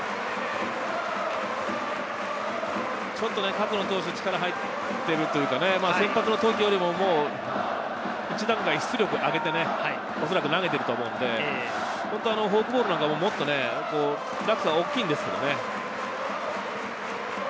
勝野投手、力が入っているというか、先発の時よりも一段階、出力を上げて投げていると思うので、フォークボールなんかも、もっと落差が大きいんですよね。